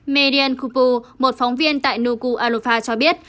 median kupu một phóng viên tại noku alufa cho biết